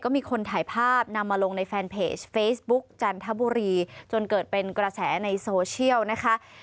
มีคนถ่ายภาพนำมาลงในแฟนเพจเฟซบุ๊กจันทบุรีจนเกิดเป็นกระแสในโซเชียลนะคะ